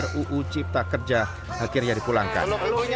ruu cipta kerja akhirnya dipulangkan